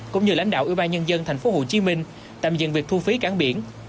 cũng như lãnh đạo ưu ba nhân dân thành phố hồ chí minh tạm dừng việc thu phí cảng biển